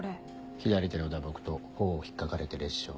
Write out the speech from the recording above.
左手の打撲と頬を引っかかれて裂傷。